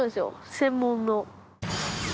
専門の。